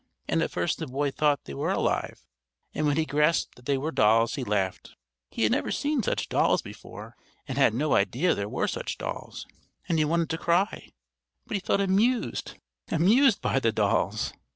And at first the boy thought they were alive, and when he grasped that they were dolls he laughed. He had never seen such dolls before, and had no idea there were such dolls! And he wanted to cry, but he felt amused, amused by the dolls.